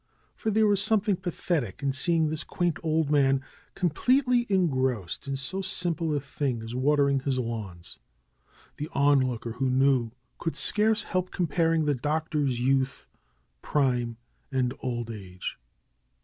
For there was something pa thetic in seeing this quaint old man completely en grossed in so simple a thing as watering his lawns. The onlooker who knew could scarce help comparing the Doctor's youth, prime and old age.